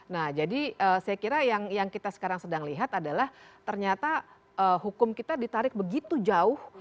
nah jadi saya kira yang kita sekarang sedang lihat adalah ternyata hukum kita ditarik begitu jauh